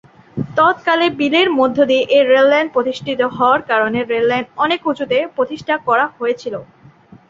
তৎকালে বিলের মধ্যদিয়ে এ রেললাইন প্রতিষ্ঠিত হওয়ার কারণে রেললাইন অনেক উঁচুতে প্রতিষ্ঠা করা হয়েছিলো।